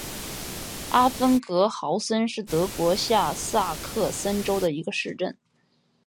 阿芬格豪森是德国下萨克森州的一个市镇。